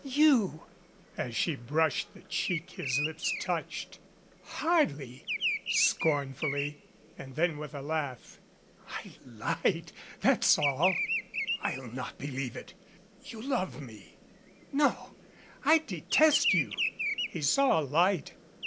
"You!" As she brushed the cheek his lips touched: "Hardly," scornfully, and then, with a laugh, "I lied, that's all." "I'll not believe it. You love me " "No. I detest you." He saw a light.